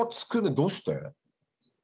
どうして？